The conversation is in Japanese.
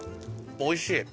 おいしい。